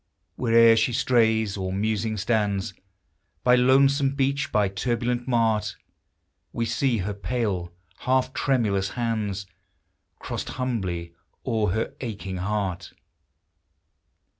Where'er she strays, or musing stands By lonesome beach, by turbulent mart, We see her pale, half tremulous hands Crossed humbly o'er her aching heart